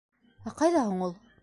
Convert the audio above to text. Ә ҡайҙа һуң ул?